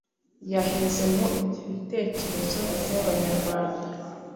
yaheze mu bitekerezo by’Abanyarwanda.